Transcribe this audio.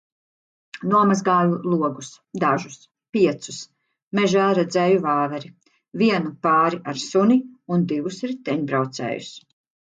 Nomazgāju logus, dažus, piecus. Mežā redzēju vāveri, vienu pāri ar suni un divus riteņbraucējus.